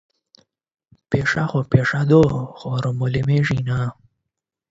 پيښه خو پيښه ده خو رامعلومېږي نه